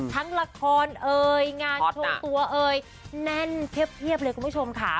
ทั้งละครเอ่ยงานชงตัวเอ่ยแน่นเพียบเลยคุณผู้ชมค่ะ